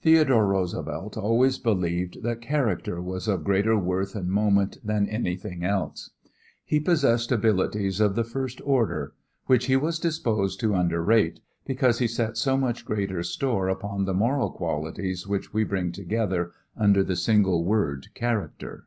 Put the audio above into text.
Theodore Roosevelt always believed that character was of greater worth and moment than anything else. He possessed abilities of the first order, which he was disposed to underrate, because he set so much greater store upon the moral qualities which we bring together under the single word "character."